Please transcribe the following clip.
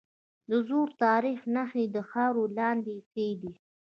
د زوړ تاریخ نښې خاورې لاندې ښخي دي.